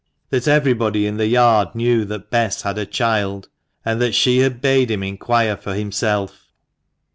That everybody in the yard knew that Bess had a child. And that she had bade him inquire for himself.